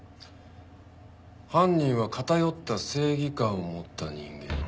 犯人は偏った正義感を持った人間。